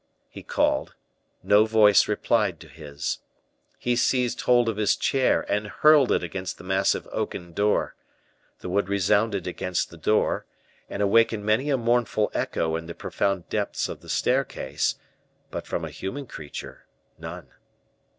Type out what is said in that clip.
He called no voice replied to his. He seized hold of his chair, and hurled it against the massive oaken door. The wood resounded against the door, and awakened many a mournful echo in the profound depths of the staircase; but from a human creature, none.